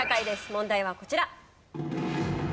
問題はこちら。